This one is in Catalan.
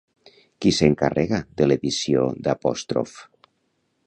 Qui s'encarrega de l'edició d'Apostroph?